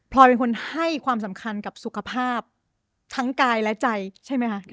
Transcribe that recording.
เป็นคนให้ความสำคัญกับสุขภาพทั้งกายและใจใช่ไหมคะ